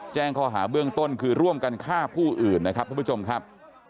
แจ้งข้อหาเบื้องต้นคือร่วมกันฆ่าผู้อื่นนะครับทุกผู้ชมครับ